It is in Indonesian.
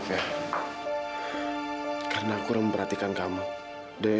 setelah siaran aku akan berikan alamat itu sama kamu